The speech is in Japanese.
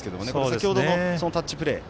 先ほどのタッチプレー。